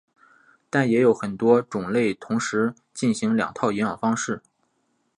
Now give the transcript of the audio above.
但也有很多种类同时行两种营养方式。